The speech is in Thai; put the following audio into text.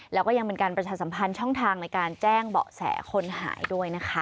แล้วก็ยังเป็นการประชาสัมพันธ์ช่องทางในการแจ้งเบาะแสคนหายด้วยนะคะ